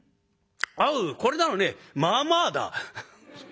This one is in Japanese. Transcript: おうこれならねまあまあだ」。